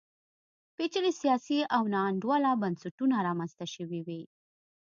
پېچلي سیاسي او ناانډوله بنسټونه رامنځته شوي وي.